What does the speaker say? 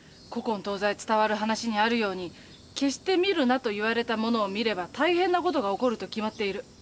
古今東西伝わる話にあるように決して見るなと言われたものを見れば大変な事が起こると決まっている。